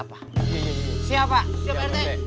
siapa siap pak rt